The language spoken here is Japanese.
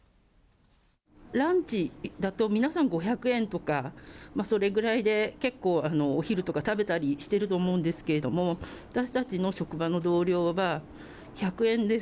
ランチだと皆さん５００円とか、それぐらいで結構、お昼とか食べたりしていると思うんですけれども、私たちの職場の同僚は１００円です。